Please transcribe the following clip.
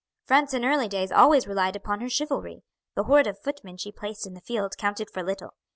"France in early days always relied upon her chivalry. The horde of footmen she placed in the field counted for little.